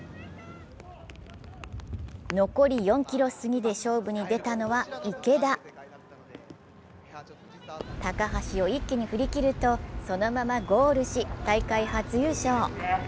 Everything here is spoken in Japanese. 残り４ｋｍすぎで勝負に出たのは池田高橋を一気に振り切ると、そのままゴールし、大会初優勝。